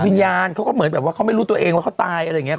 วิญญาณเขาก็เหมือนแบบว่าเขาไม่รู้ตัวเองว่าเขาตายอะไรอย่างนี้